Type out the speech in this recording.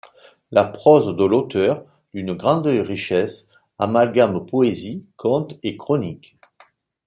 La prose de l'auteur, d'une grande richesse, amalgame poésie, conte et chronique.